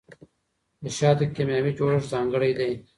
د شاتو کیمیاوي جوړښت ځانګړی دی.